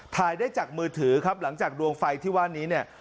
ถ่ายได้จากมือถือครับหลังจากดวงไฟที่ว่านี้เนี่ย